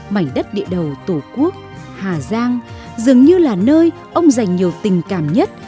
mảnh đất địa đầu tổ quốc hà giang dường như là nơi ông dành nhiều tình cảm nhất